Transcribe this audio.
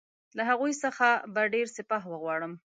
له هغوی څخه به ډېر سپاه وغواړم.